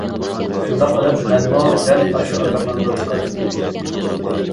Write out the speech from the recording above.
شۇنداق قىلىپ مەنمۇ دەل ئاشۇ ئاگاھلاندۇرۇشقا تۇتۇلدۇم.